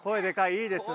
いいですね。